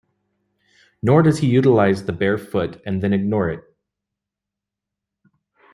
Nor does he utilize the bare foot and then ignore it.